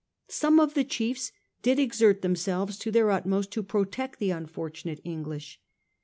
Some of the chiefs did exert themselves to their utmost to protect the unfortunate English.